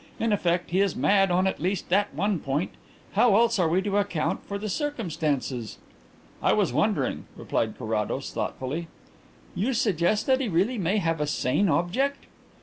In effect he is mad on at least that one point. How else are we to account for the circumstances?" "I was wondering," replied Carrados thoughtfully. "You suggest that he really may have a sane object?"